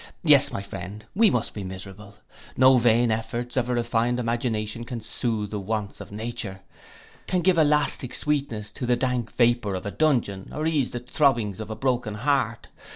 Yes, my friends, we must be miserable. No vain efforts of a refined imagination can sooth the wants of nature, can give elastic sweetness to the dank vapour of a dungeon, or ease to the throbbings of a broken heart.